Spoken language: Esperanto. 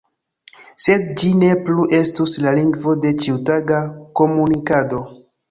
Sed ĝi ne plu estus la lingvo de ĉiutaga komunikado.